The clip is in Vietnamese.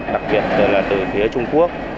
đặc biệt là từ phía trung quốc